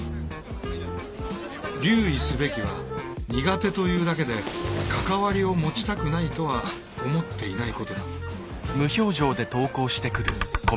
留意すべきは苦手というだけで関わりを持ちたくないとは思っていないことだ。